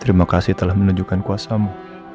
terima kasih telah menunjukkan kuasamu